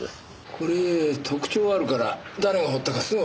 これ特徴あるから誰が彫ったかすぐわかるわ。